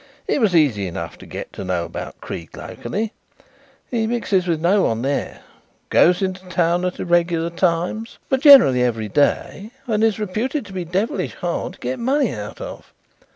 It was easy enough to get to know about Creake locally. He mixes with no one there, goes into town at irregular times but generally every day, and is reputed to be devilish hard to get money out of.